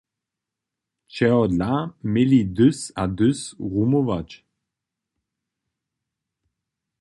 Čehodla měli hdys a hdys rumować?